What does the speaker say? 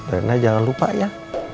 rena jangan lupa ya